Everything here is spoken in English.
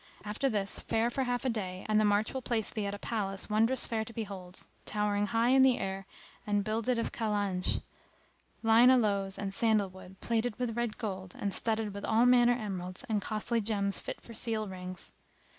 After this fare for half a day, and the march will place thee at a palace wondrous fair to behold, towering high in air and builded of Khalanj[FN#285], lign aloes and sandal wood, plated with red gold, and studded with all manner emeralds and costly gems fit for seal rings.